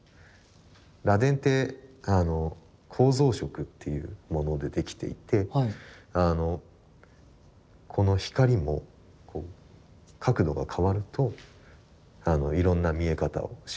螺鈿って構造色というものでできていてこの光も角度が変わるといろんな見え方をします。